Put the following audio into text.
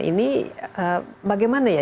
ini bagaimana ya